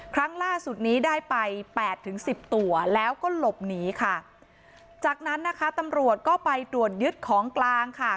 ครั้งล่าสุดนี้ได้ไปแปดถึงสิบตัวแล้วก็หลบหนีค่ะจากนั้นนะคะตำรวจก็ไปตรวจยึดของกลางค่ะ